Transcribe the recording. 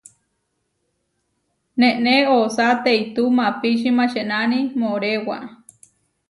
Nené osá teitú maʼpíči mačenáni moʼréwa.